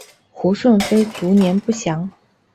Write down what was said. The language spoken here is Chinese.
胡顺妃卒年不详。